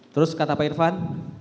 terus kata pak irfan